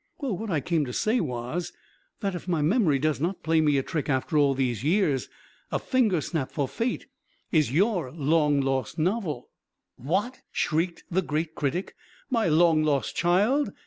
"Well, what I came to say was, that if my memory does not play me a trick after all these years, 'A Fingersnap for Fate' is your long lost novel." "What!" shrieked the great critic; "my long lost child!